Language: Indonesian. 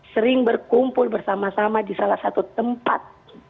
sering berkumpul bersama sama di salah satu tempat